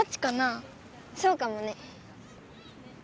そうかもね。